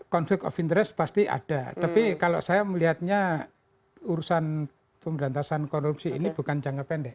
konflik of interest pasti ada tapi kalau saya melihatnya urusan pemberantasan korupsi ini bukan jangka pendek